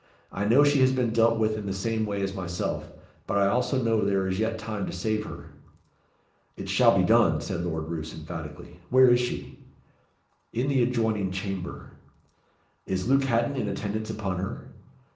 "I know she has been dealt with in the same way as myself; but I also know there is yet time to save her." "It shall be done," said Lord Roos, emphatically. "Where is she?" "In the adjoining chamber." "Is Luke Hatton in attendance upon her?"